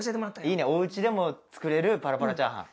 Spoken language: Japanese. いいねお家でも作れるパラパラチャーハン。